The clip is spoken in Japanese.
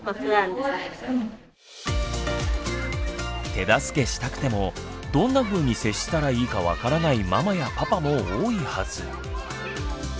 手助けしたくてもどんなふうに接したらいいか分からないママやパパも多いはず。